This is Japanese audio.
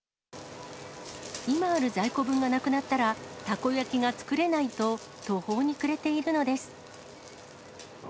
今ある在庫分がなくなったらたこ焼きが作れないと、途方に暮れているのです。